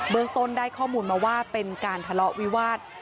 เมืองต้นได้ข้อมูลมาว่าเป็นการทะเลาะวิวาส